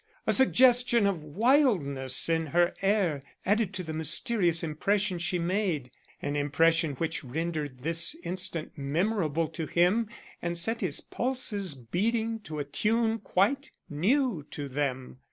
A suggestion of wildness in her air added to the mysterious impression she made; an impression which rendered this instant memorable to him and set his pulses beating to a tune quite new to them.